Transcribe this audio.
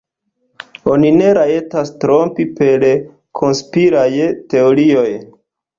Oni ne rajtas trompi per konspiraj teorioj.